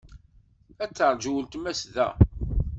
Ad teṛju weltma-s da.